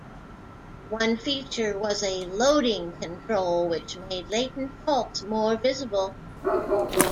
One feature was a "loading" control which made latent faults more visible.